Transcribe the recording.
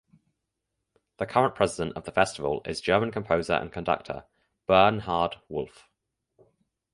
The current president of the festival is German composer and conductor Bernhard Wulff.